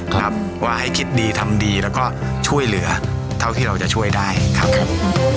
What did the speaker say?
ครับว่าให้คิดดีทำดีแล้วก็ช่วยเหลือเท่าที่เราจะช่วยได้ครับผม